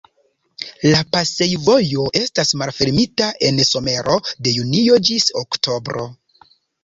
La pasejvojo estas malfermita en somero de junio ĝis oktobro.